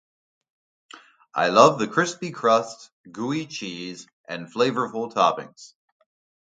I love the crispy crust, gooey cheese, and flavorful toppings.